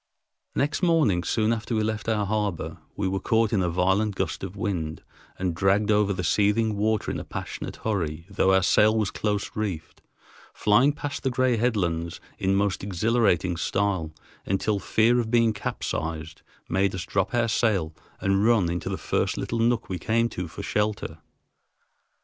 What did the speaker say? Next morning, soon after we left our harbor, we were caught in a violent gust of wind and dragged over the seething water in a passionate hurry, though our sail was close reefed, flying past the gray headlands in most exhilarating style, until fear of being capsized made us drop our sail and run into the first little nook we came to for shelter.